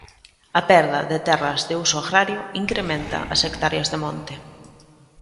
"A perda de terras de uso agrario incrementa as hectáreas de monte".